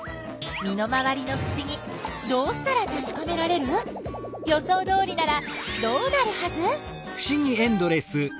身の回りのふしぎどうしたらたしかめられる？予想どおりならどうなるはず？